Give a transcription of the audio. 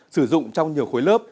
sử dụng trong nhiều khối lớp